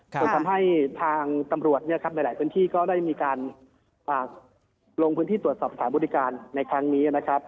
จนทำให้ทางตำรวจหลายพื้นที่ก็ได้มีการลงพื้นที่ตรวจสอบสถานบริการในครั้งนี้นะครับ